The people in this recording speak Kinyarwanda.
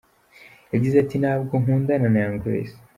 Yagize ati " Nabwo nkundana na Young Grace.